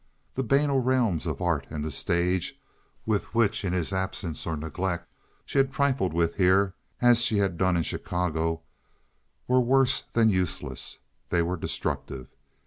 The banal realms of art and the stage, with which in his absence or neglect she had trifled with here, as she had done in Chicago, were worse than useless; they were destructive.